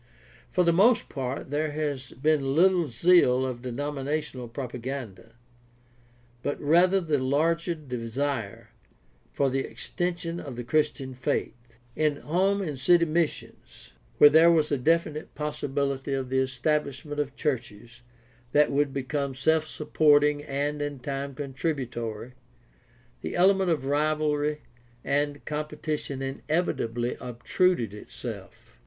For the most part there has been little zeal of denominational propaganda, but rather the larger desire for the extension of the Christian faith. In home and city missions, where there was a definite possibility of the establishment of churches that would become self supporting and in time contributory, the element of rivalry and competition inevitably obtruded itself.